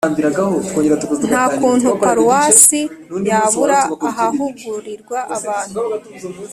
nta kuntu paruwasi yabura ahahugurirwa abantu